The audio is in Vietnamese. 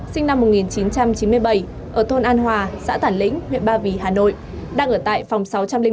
sinh năm một nghìn chín trăm chín mươi bảy ở thôn an hòa xã tản lĩnh huyện ba vì hà nội đang ở tại phòng sáu trăm linh một